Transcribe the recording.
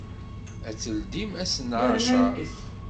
Ad teldim ass n acer?